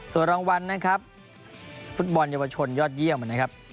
ส่วนรางวัลนะครับฟุตบอลเยาวชนยอดเยี่ยมนะครับ